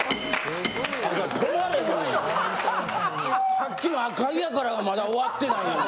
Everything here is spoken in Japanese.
さっきの「赤井やから」もまだ終わってないのに。